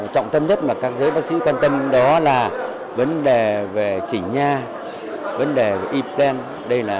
trọng tâm nhất mà các giới bác sĩ quan tâm đó là vấn đề về chỉ nha vấn đề về e plan đây là